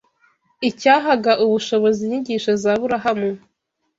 Icyahaga ubushobozi inyigisho za Aburahamu